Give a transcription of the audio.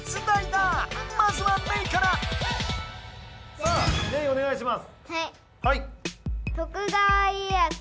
さあメイお願いします。